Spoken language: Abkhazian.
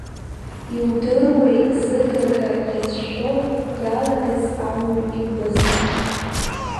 Иудыруеи зыгага иацәшәо иалагаз ауаҩ импыҵҟьо!